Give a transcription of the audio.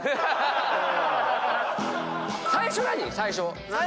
最初何⁉最初。